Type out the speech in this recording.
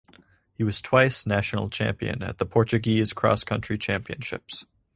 He was twice national champion at the Portuguese Cross Country Championships.